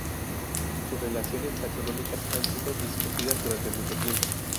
Sus relaciones taxonómicas han sido discutidas durante mucho tiempo.